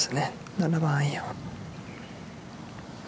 ７番アイアン。